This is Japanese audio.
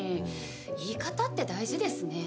言い方って大事ですね。